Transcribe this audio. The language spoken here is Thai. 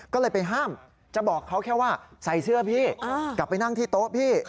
ก็เลยไปห้ามจะบอกเขาแค่ว่าใส่เสื้อพี่กลับไปนั่งที่โต๊ะพี่